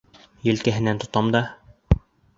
Елкәһенән тотам да...